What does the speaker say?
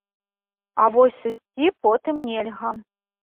А вось сысці потым нельга.